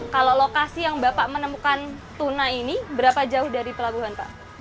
kalau lokasi yang bapak menemukan tuna ini berapa jauh dari pelabuhan pak